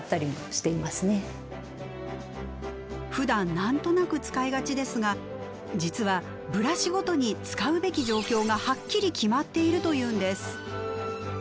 ふだん何となく使いがちですが実はブラシごとに使うべき状況がはっきり決まっているというんです。